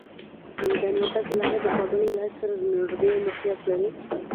میدان وردګ ولایت د کابل ولایت سره نږدې موقعیت لري.